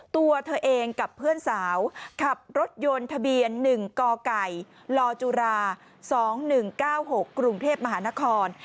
ตัวเธอเองกับเพื่อนสาวขับรถยนต์ทะเบียน๑กไก่ลจุรา๒๑๙๖กรุงเทพมหานคร